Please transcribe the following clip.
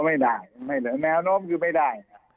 ไม่ได้แนวโน้มคือไม่ได้